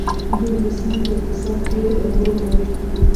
دوی د سیمې په اقتصاد کې رول لري.